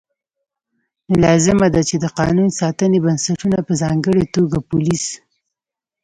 نو لازمه ده چې د قانون ساتنې بنسټونه په ځانګړې توګه پولیس